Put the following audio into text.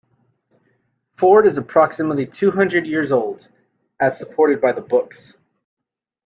Ford is approximately two hundred years old, as supported by the books.